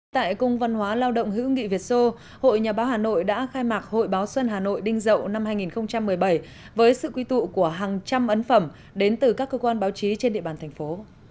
tại cung văn hóa lao động hữu nghị việt sô hội nhà báo hà nội đã khai mạc hội báo xuân hà nội đinh dậu năm hai nghìn một mươi bảy với sự quy tụ của hàng trăm ấn phẩm đến từ các cơ quan báo chí trên địa bàn thành phố